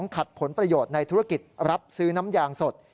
ขัดผลประโยชน์ในธุรกิจรับซื้อน้ำยางสด